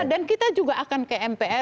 dan kita juga akan ke mpr